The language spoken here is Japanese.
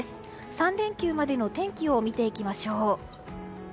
３連休までの天気を見ていきましょう。